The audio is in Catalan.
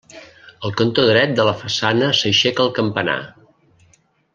Al cantó dret de la façana s'aixeca el campanar.